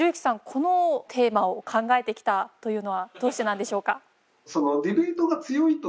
このテーマを考えてきたというのはどうしてなんでしょうか？